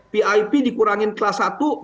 pip dikurangin kelas satu